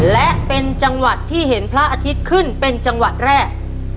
และเป็นจังหวัดที่เห็นพระอาทิตย์ขึ้นเป็นจังหวัดแรก